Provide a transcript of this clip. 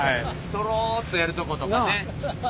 そろっとやるとことかね。なあ？